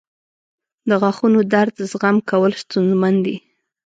• د غاښونو درد زغم کول ستونزمن دي.